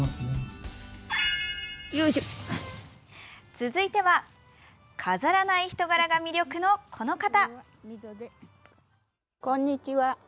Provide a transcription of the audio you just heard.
続いては飾らない人柄が魅力の、この方。